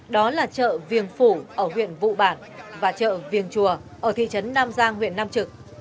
đó là chợ viềng phủ ở huyện vụ bản và chợ viềng chùa ở thị trấn nam giang huyện nam trực